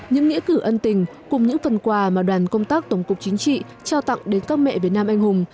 những nghĩa cử ân tình cùng những phần quà mà đoàn công tác tổng cục chính trị trao tặng đến các mẹ việt nam anh hùng